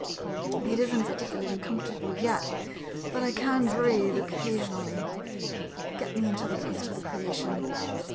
It is n't particularly comfortable yet — but I can breathe occasion ally. Get me into the rest of the creation.